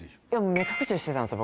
目隠ししてたんですよ